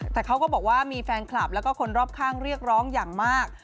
แต่เขาก็บอกว่ามีแฟนคลับแล้วก็คนรอบข้างเรียกร้องอย่างมาก